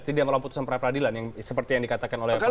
tidak melalui putusan pra peradilan yang seperti yang dikatakan oleh